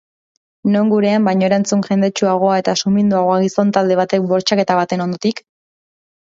Non gurean baino erantzun jendetsuagoa eta suminduagoa gizon talde baten bortxaketa baten ondotik?